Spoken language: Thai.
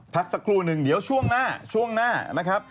พักสักครู่หนึ่งเดี๋ยวช่วงหน้า